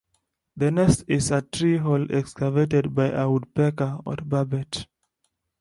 The nest is a tree hole excavated by a woodpecker or barbet.